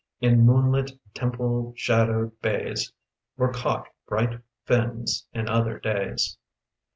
In moon lit, temple shadowed bays, Were caught bright fins, in other days.